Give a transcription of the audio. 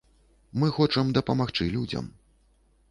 Мы хочам дапамагчы людзям.